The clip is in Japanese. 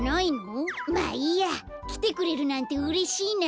まあいいやきてくれるなんてうれしいな。